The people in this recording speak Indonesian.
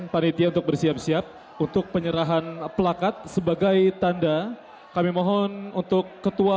panitia untuk bersiap siap untuk penyerahan pelakat sebagai tanda kami mohon untuk ketua